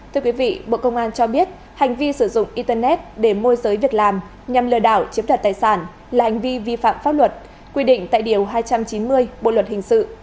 thưa quý vị bộ công an cho biết hành vi sử dụng internet để môi giới việc làm nhằm lừa đảo chiếm đoạt tài sản là hành vi vi phạm pháp luật quy định tại điều hai trăm chín mươi bộ luật hình sự